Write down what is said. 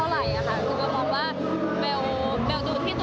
ว่าถ้าเบลทำถูกต้องตามกรอก